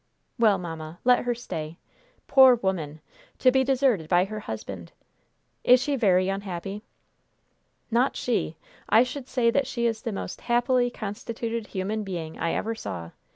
"Well, mamma, let her stay. Poor woman! To be deserted by her husband! Is she very unhappy?" "Not she! I should say that she is the most happily constituted human being I ever saw.